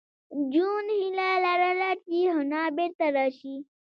جون هیله لرله چې حنا بېرته راشي